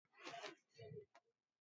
خودای بەزەیی ئەگەر هەبێ دایکە